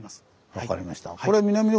分かりました。